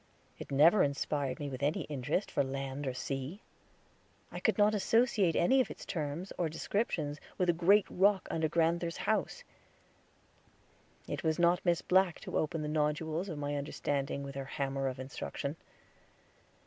It never inspired me with any interest for land or sea. I could not associate any of its terms, or descriptions, with the great rock under grand'ther's house. It was not for Miss Black to open the nodules of my understanding, with her hammer of instruction.